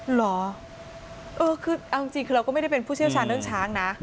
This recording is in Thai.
เหรอเออคือเอาจริงคือเราก็ไม่ได้เป็นผู้เชี่ยวชาญเรื่องช้างนะ